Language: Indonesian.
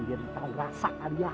biar diperasakan ya